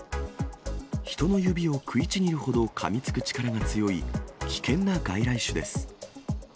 人の指を食いちぎるほどかみつく力が強い、危険な外来種です。